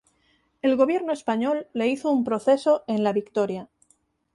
El gobierno español le hizo un proceso en La Victoria.